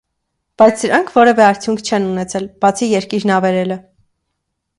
Բայց սրանք որևէ արդյունք չեն ունեցել, բացի երկիրն ավերելը։